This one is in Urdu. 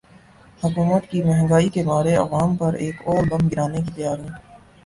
حکومت کی مہنگائی کے مارے عوام پر ایک اور بم گرانے کی تیاریاں